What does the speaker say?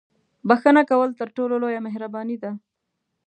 • بښنه کول تر ټولو لویه مهرباني ده.